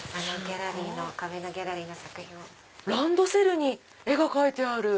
ランドセルに絵が描いてある。